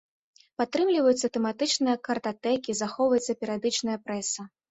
Падтрымліваюцца тэматычныя картатэкі, захоўваецца перыядычная прэса.